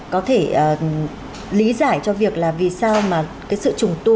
có thể lý giải cho việc là vì sao mà cái sự trùng tu